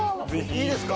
いいですか？